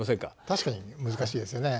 確かに難しいですよね。